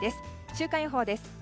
週間予報です。